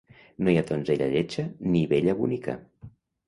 No hi ha donzella lletja ni vella bonica.